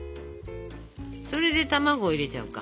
それで卵入れちゃおうか。